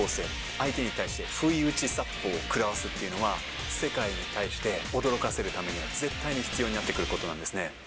相手に対して不意打ち殺法を食らわすっていうのは、世界に対して、驚かせるためには絶対に必要になってくることなんですね。